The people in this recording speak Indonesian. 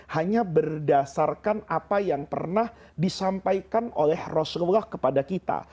hanya berdasarkan apa yang pernah disampaikan oleh rasulullah kepada kita